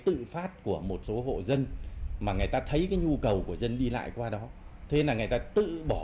vấn đề khác của một số hộ dân mà người ta thấy cái nhu cầu của dân đi lại qua đó thế là người ta tự bỏ